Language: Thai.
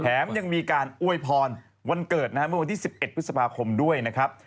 ยังมีการอวยพรวันเกิดนะฮะเมื่อวันที่๑๑พฤษภาคมด้วยนะครับ